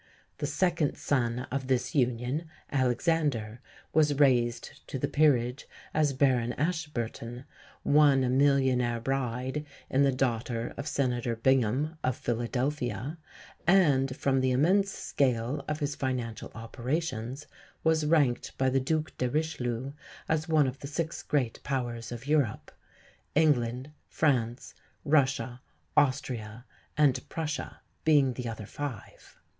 The second son of this union, Alexander, was raised to the Peerage as Baron Ashburton, won a millionaire bride in the daughter of Senator Bingham, of Philadelphia, and, from the immense scale of his financial operations, was ranked by the Duc de Richelieu as "one of the six great powers of Europe" England, France, Russia, Austria, and Prussia being the other five.